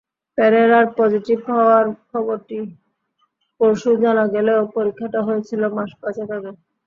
পেরেরার positive হওয়ার খবরটি পরশু জানা গেলেও পরীক্ষাটা হয়েছিল মাস পাঁচেক আগে।